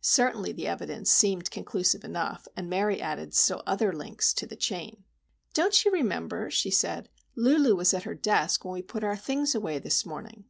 Certainly the evidence seemed conclusive enough, and Mary added still other links to the chain. "Don't you remember?" she said. "Lulu was at her desk when we put our things away this morning.